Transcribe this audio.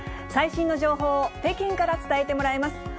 最新の情報を北京から伝えてもらいます。